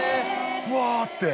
うわって。